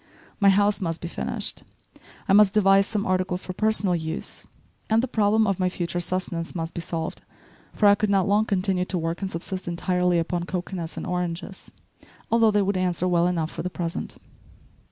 My house must be finished, I must devise some articles for personal use, and the problem of my future sustenance must be solved, for I could not long continue to work and subsist entirely upon cocoanuts and oranges, although they would answer well enough for the present.